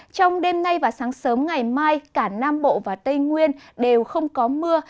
trong đêm nay và sáng sớm ngày mai cả nam bộ và tây nguyên đều không có mưa